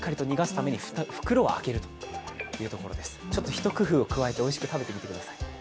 ひと工夫加えておいしく食べてください。